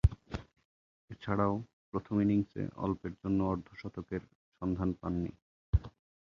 এছাড়াও, প্রথম ইনিংসে অল্পের জন্য অর্ধ-শতকের সন্ধান পাননি।